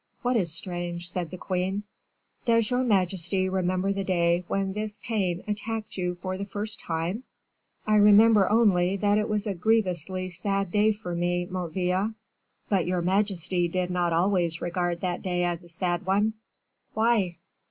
"What is strange?" said the queen. "Does your majesty remember the day when this pain attacked you for the first time?" "I remember only that it was a grievously sad day for me, Motteville." "But your majesty did not always regard that day as a sad one." "Why?"